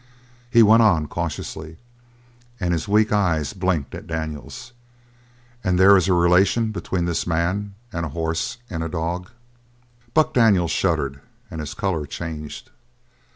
He went on, cautiously, and his weak eyes blinked at Daniels: "And there is a relation between this man and a horse and dog?" Buck Daniels shuddered and his colour changed.